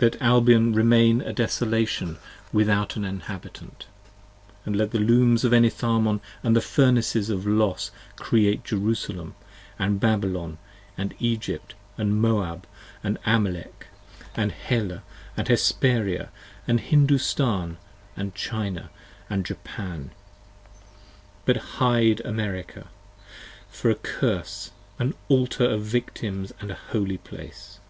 25 Let Albion remain a desolation without an inhabitant: And let the Looms of Enitharmon & the Furnaces of Los Create Jerusalem, & Babylon & Egypt & Moab & Amalek, And Helle & Hesperia & Hindostan & China & Japan: But hide America, for a Curse, an Altar of Victims & a Holy Place.